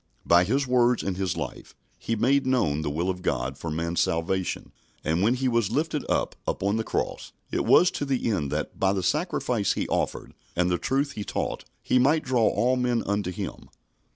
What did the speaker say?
By His words and His life, He made known the will of God for man's salvation; and when He was lifted up upon the cross, it was to the end that, by the sacrifice He offered and the truth He taught, He might draw all men unto Him.